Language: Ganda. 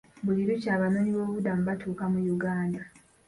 Buli lukya abanoonyi boobubudamu batuuka mu Uganda.